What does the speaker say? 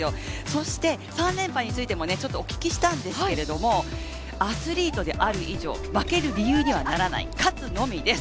そして３連覇についてもちょっとお聞きしたんですけど、アスリートである以上、負ける理由にはならない、勝つのみです。